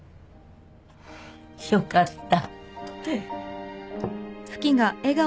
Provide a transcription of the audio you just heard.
よかった。